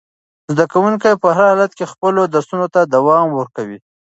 زده کوونکي په هر حالت کې خپلو درسونو ته دوام ورکوي.